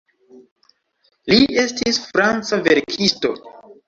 Li estis franca verkisto.